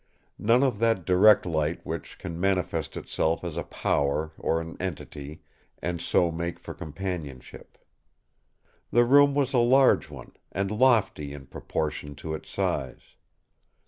None of that direct light which can manifest itself as a power or an entity, and so make for companionship. The room was a large one, and lofty in proportion to its size.